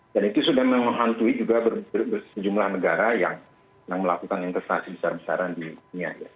dan itu sudah menghantui juga berbeza jumlah negara yang melakukan investasi besar besaran di dunia